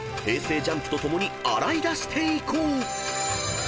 ＪＵＭＰと共に洗い出していこう！］